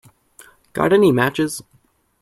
Got any matches?